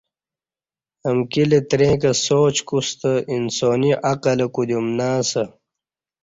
امکی لتریں کہ سوچ کوستہ انسانی عقلہ کودیوم نہ اسہ